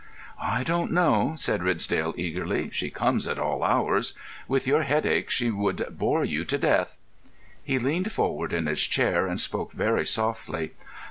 "I don't know," said Ridsdale, eagerly. "She comes at all hours. With your headache she would bore you to death." He leaned forward in his chair and spoke very softly.